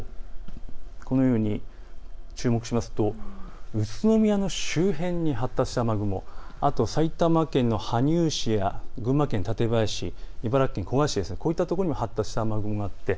雨雲を見ますと、宇都宮の周辺に発達した雨雲、あと埼玉県の羽生市、群馬県、館林市、茨城県古河市この辺りにも発達した雨雲があります。